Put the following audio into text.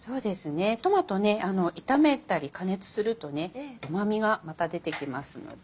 トマトね炒めたり加熱するとうま味がまた出てきますので。